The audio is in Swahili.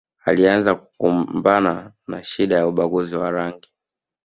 Alianza kukumbana na shida ya ubaguzi wa rangi